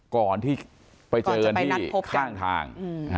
ก่อนที่ไปเจอกันที่ข้างทาง